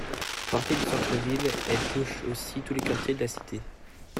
Parties du centre ville, elles touchent aujourd'hui tous les quartiers de la cité.